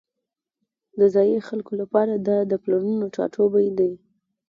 د ځایی خلکو لپاره دا د پلرونو ټاټوبی دی